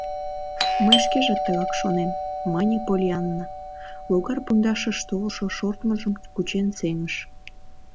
Мый шкежат тыгак шонем, — мане Поллианна, логар пундашыш толшо шортмыжым кучен сеҥыш.